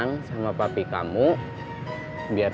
ihihi apa sih apa sih